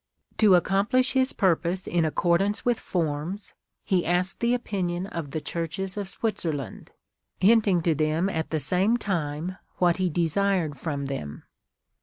To accomplish his purpose in accordance TRANSLATOR S PREFACE. XIU with forms, he asked the opinion of the Churches of Swit zerland, hinting to them at the same time what he desired from them."